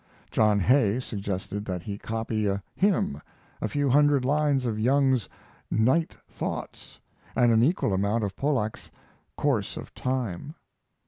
John Hay suggested that he copy a hymn, a few hundred lines of Young's "Night Thoughts," and an equal amount of Pollak's "Course of Time."